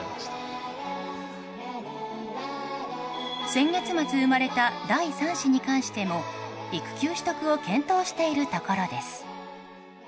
先月末、生まれた第３子に関しても育休取得を検討しているところです。